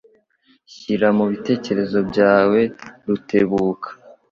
Shyira mubitekerezo byawe, Rutebuka.